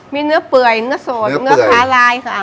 มีเนื้อเปื่อยเนื้อสดเนื้อขาลายค่ะ